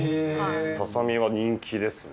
ささみは人気ですね。